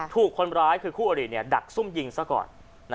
ถูกคนร้ายคือคู่อริดักซุ่มยิงซะก่อน